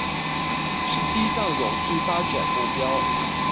十七項永續發展目標